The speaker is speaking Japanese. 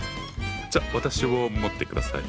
じゃ私をもって下さい。